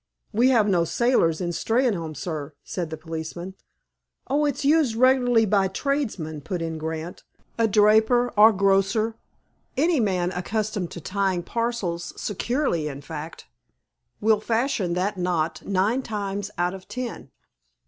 "We have no sailors in Steynholme, sir," said the policeman. "Oh, it's used regularly by tradesmen," put in Grant. "A draper, or grocer—any man accustomed to tying parcels securely, in fact—will fashion that knot nine times out of ten."